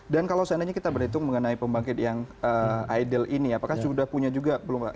dan kalau seandainya kita berhitung mengenai pembangkit yang idle ini apakah sudah punya juga belum gak